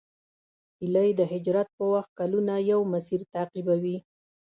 هیلۍ د هجرت په وخت کلونه یو مسیر تعقیبوي